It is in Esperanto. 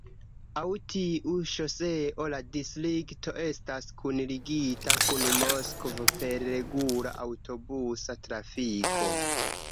Laŭ tiu ŝoseo la distrikto estas kunligita kun Moskvo per regula aŭtobusa trafiko.